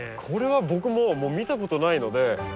これは僕ももう見たことないので。